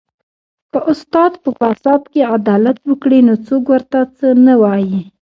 که استاد په فساد کې عدالت وکړي نو څوک ورته څه نه وايي